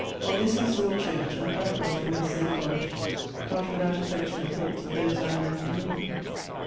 On this I saw a church, and thanked God for my safe voyage, not without affectionate thoughts of those I had left in England.